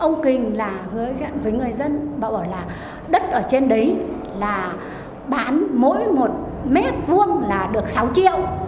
ông kinh là người gặn với người dân bảo bảo là đất ở trên đấy là bán mỗi một mét vuông là được sáu triệu